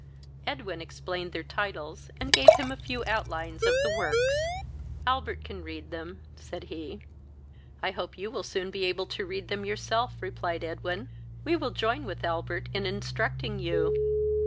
Edwin explained their titles, and gave him a few outlines of the works. "Albert can read them," said he. "I hope you will soon be able to read them yourself, (replied Edwin:) we will join with Albert in instructing you."